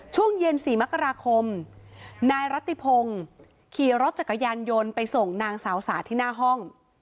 ช่วงเย็น๔มกราคมนายรัตติพงศ์ขี่รถจักรยานยนต์ไปส่งนางสาวสาที่หน้าห้อง